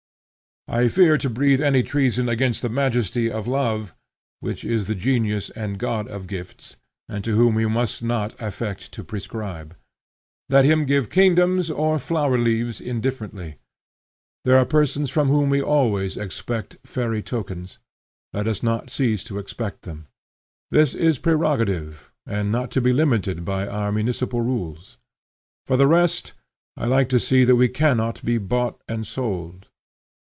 I fear to breathe any treason against the majesty of love, which is the genius and god of gifts, and to whom we must not affect to prescribe. Let him give kingdoms or flower leaves indifferently. There are persons from whom we always expect fairy tokens; let us not cease to expect them. This is prerogative, and not to be limited by our municipal rules. For the rest, I like to see that we cannot be bought and sold.